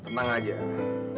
kok tenang tenang aja sih mas